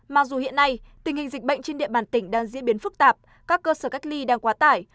mặc dù hiện nay tình hình dịch bệnh trên địa bàn tỉnh đang diễn biến phức tạp các cơ sở cách ly đang quá tải